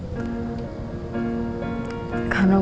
walaupun gue belum siap banget